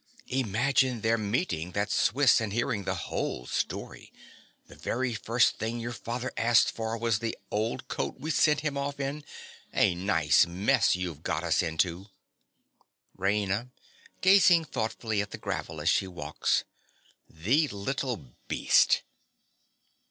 Imagine their meeting that Swiss and hearing the whole story! The very first thing your father asked for was the old coat we sent him off in. A nice mess you have got us into! RAINA. (gazing thoughtfully at the gravel as she walks). The little beast!